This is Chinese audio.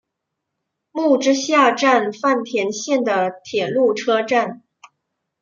木之下站饭田线的铁路车站。